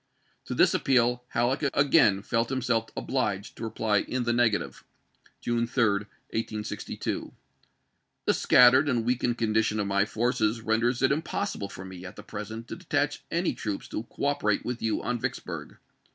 To this appeal Halleck again felt himself obliged to reply in the negative, July 3, 1862 :" The scattered and weakened condition of my forces renders it impossible for me, at the present, to detach any troops to cooperate with you on Vicksburg.